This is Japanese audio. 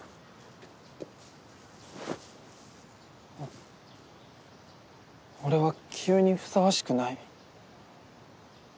お俺は清居にふさわしくない。